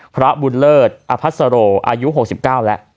พระบุญเลิศอภัสโรอายุ๖๙แล้ว